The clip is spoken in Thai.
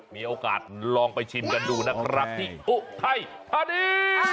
มีโอกาสลองไปชิมกันดูนะครับที่อุทัยธานี